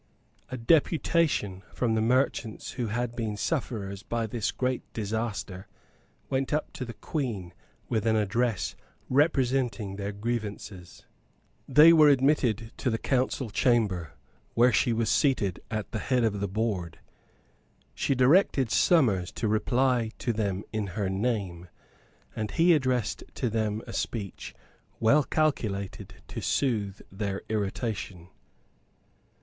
A deputation from the merchants who had been sufferers by this great disaster went up to the Queen with an address representing their grievances. They were admitted to the Council Chamber, where she was seated at the head of the Board. She directed Somers to reply to them in her name; and he addressed to them a speech well calculated to soothe their irritation.